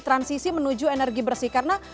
transisi menuju energi bersih karena